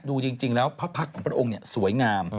ดูจริงแล้วพระพระองค์เนี่ยสวยงาม